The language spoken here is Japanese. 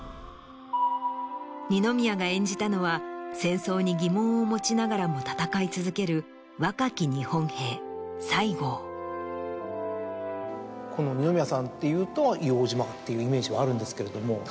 二宮が演じたのは戦争に疑問を持ちながらも戦い続ける若き日本兵西郷。っていうイメージがあるんですけれども。